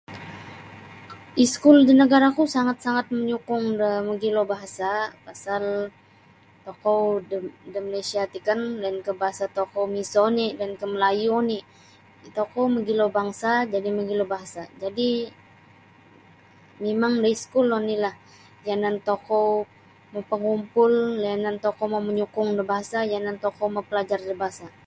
Iskul da nagara'ku sangat-sangat manyukung da mogilo bahasa' pasal tokou da Malaysia ti kan lainkah bahasa tokou miso oni' lainkah Melayu oni' tokou mogilo bangsa jadi' mogilo bahasa' jadi' mimang da iskul onilah yanan tokou mapagumpul yanan tokou mau manyukung da bahasa yanan tokou mapalajar da bahasa'.